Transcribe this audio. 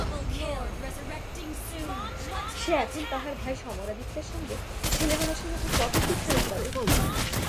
সে এখন তাহার ভাই সমরাদিত্যের সঙ্গে ছেলেমানুষের মতো কত কী খেলা করে।